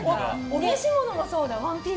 お召し物もそうだ。